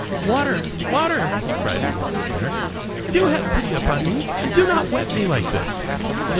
"Water! water!" he cried in his despair, "do have pity upon me and do not wet me like this."